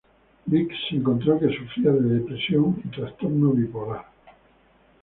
Biggs se encontró que sufría de depresión y trastorno bipolar.